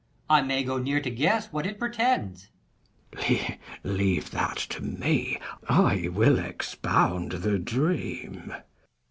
I may go near to guess what it pretends. Mess. Leave that to me, I will expound the dream.